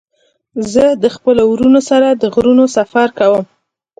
زه د خپلو ورونو سره د غرونو سفر کوم.